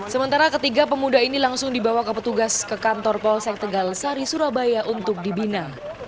sementara ketiga pemuda ini langsung dibawa ke petugas ke kantor polsek tegal sari surabaya untuk dibina